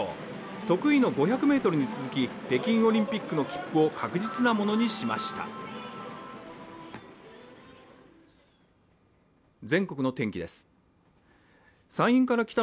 得意の５００ｍに続き北京オリンピックの切符を確実なものにしました。